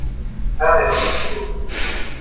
Hör mir doch mal zu.